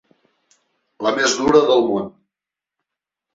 La més dura del món.